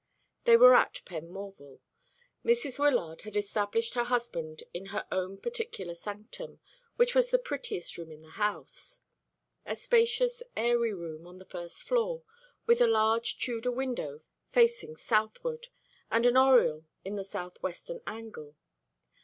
They were at Penmorval. Mrs. Wyllard had established her husband in her own particular sanctum, which was the prettiest room in the house a spacious airy room on the first floor, with a large Tudor window facing southward, and an oriel in the south western angle.